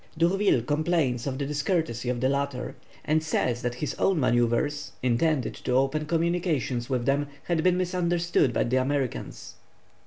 D'Urville complains of the discourtesy of the latter, and says that his own manoeuvres intended to open communications with them had been misunderstood by the Americans.